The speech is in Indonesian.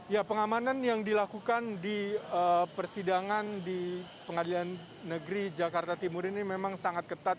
ya pengamanan yang dilakukan di persidangan di pengadilan negeri jakarta timur ini memang sangat ketat